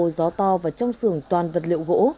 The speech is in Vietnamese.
gió to và trong sưởng toàn vật liệu gỗ